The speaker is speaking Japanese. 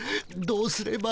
どうすれば。